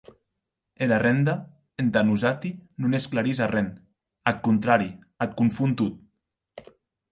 Era renda, entà nosati, non esclarís arren; ath contrari, ac confon tot.